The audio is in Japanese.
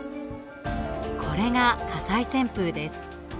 これが火災旋風です。